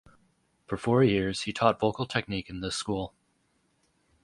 For four years he taught vocal technique in this school.